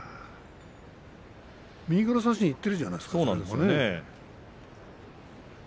右から差しにいってるじゃないですか。